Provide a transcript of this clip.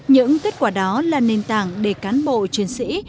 những kết quả đó là nền tảng để cán bộ chiến sĩ